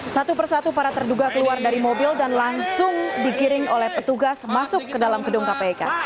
satu persatu para terduga keluar dari mobil dan langsung digiring oleh petugas masuk ke dalam gedung kpk